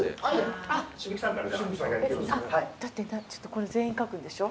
これ全員書くんでしょ？